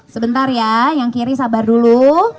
sebentar ya yang kiri sabar dulu